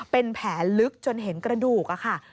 เป็นแผลลึกจนเห็นกระดูกค่ะ